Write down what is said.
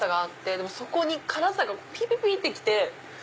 でもそこに辛さがピリピリって来て。